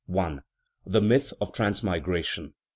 The myth of transmigration.